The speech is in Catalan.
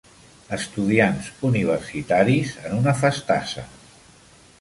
Estudiants universitaris en una festassa.